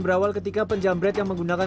berawal ketika penjamret yang menggunakan